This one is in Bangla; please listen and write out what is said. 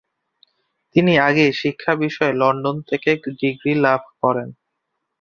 তিনি আগেই শিক্ষা বিষয়ে লন্ডন থেকে ডিগ্রি লাভ করেন।